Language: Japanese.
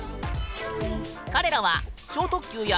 彼らは超特急やＭ！